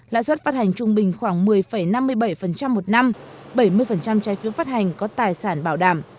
lãi suất phát hành trung bình khoảng một mươi năm mươi bảy một năm bảy mươi trái phiếu phát hành có tài sản bảo đảm